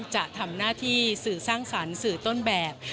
จะทำหน้าที่สื่อสร้างสรรค์สื่อต้นแบบ